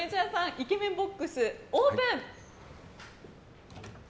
イケメンボックスオープン。